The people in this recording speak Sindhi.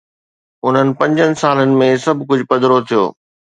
انهن پنجن سالن ۾، سڀ ڪجهه پڌرو ٿيو.